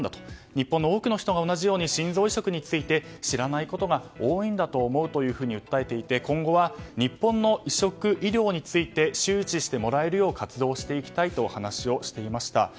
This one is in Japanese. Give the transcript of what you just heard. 日本の多くの人が同じように心臓移植について知らないことが多いんだと思うと訴えていて今後は日本の移植医療について周知してもらえるよう活動していきたいと話をしていました。